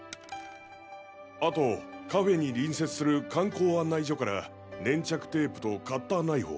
あとカフェに隣接する観光案内所から粘着テープとカッターナイフを。